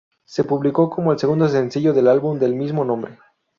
Se publicó como el segundo sencillo del álbum del mismo nombre.